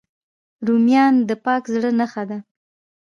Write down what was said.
رومیان د پاک زړه نښه ده